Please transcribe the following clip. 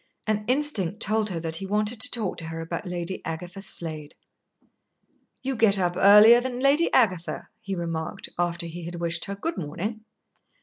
An instinct told her that he wanted to talk to her about Lady Agatha Slade. "You get up earlier than Lady Agatha," he remarked, after he had wished her "Good morning."